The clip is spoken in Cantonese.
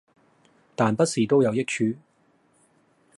但不是都有益處